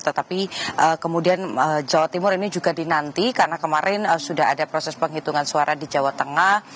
tetapi kemudian jawa timur ini juga dinanti karena kemarin sudah ada proses penghitungan suara di jawa tengah